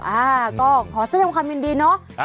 อ่าก็ขอแสดงความยินดีเนาะ